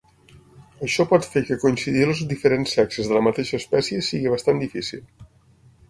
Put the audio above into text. Això pot fer que coincidir els diferents sexes de la mateixa espècie sigui bastant difícil.